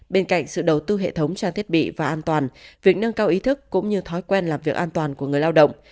bên cạnh sự đầu tư hệ thống trang thiết bị và an toàn việc nâng cao ý thức cũng như thói quen làm việc an toàn của người lao động